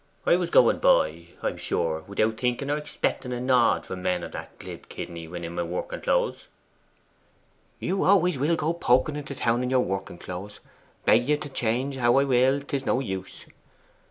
I was going by, I'm sure, without thinking or expecting a nod from men of that glib kidney when in my working clothes ' 'You always will go poking into town in your working clothes. Beg you to change how I will, 'tis no use.